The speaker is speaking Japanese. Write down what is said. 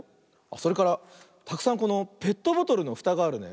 それからたくさんこのペットボトルのふたがあるね。